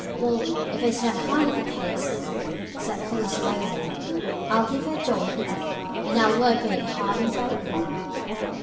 "Well, if it's that kind of a case," said Philo slowly, "I'll give you a dollar a day, and I'll work on it hard and faithful."